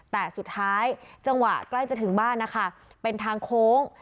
แต่สุดท้ายจังหวะใกล้จะถึงบ้านนะคะเป็นทางโค้ง